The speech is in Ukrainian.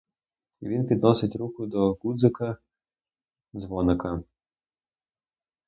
І він підносить руку до ґудзика дзвоника.